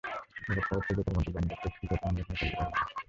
ব্যাপারটা হচ্ছে, জেতার মতো ব্র্যান্ডের টেস্ট ক্রিকেট আমরা এখনো খেলতে পারিনি।